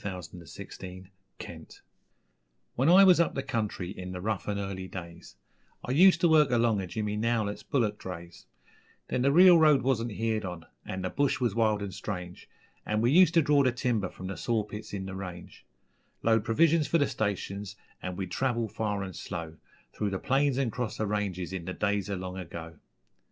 The Song of Old Joe Swallow When I was up the country in the rough and early days, I used to work along ov Jimmy Nowlett's bullick drays; Then the reelroad wasn't heered on, an' the bush was wild an' strange, An' we useter draw the timber from the saw pits in the range Load provisions for the stations, an' we'd travel far and slow Through the plains an' 'cross the ranges in the days of long ago.